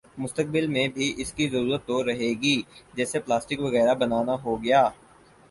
مستقبل میں بھی اس کی ضرورت تو رہے ہی گی جیسے پلاسٹک وغیرہ بنا نا ہوگیا